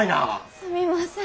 すんません。